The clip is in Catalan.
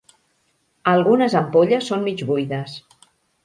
Algunes ampolles són mig buides.